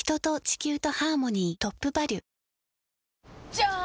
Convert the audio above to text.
じゃーん！